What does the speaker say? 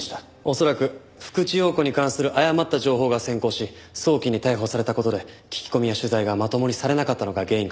恐らく福地陽子に関する誤った情報が先行し早期に逮捕された事で聞き込みや取材がまともにされなかったのが原因かと。